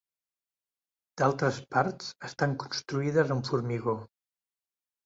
D'altres parts estan construïdes amb formigó.